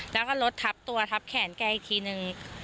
แล้วก็รถทับตัวทับแขนแกอีกทีนึง